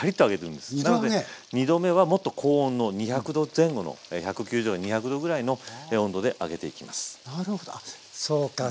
２度目はもっと高温の２００℃前後の１９０２００℃ぐらいの温度で揚げていきます。